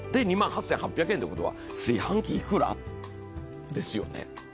で、２万８８００円ということは炊飯器いくら？ですよね。